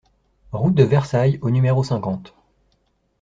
Route de Versailles au numéro cinquante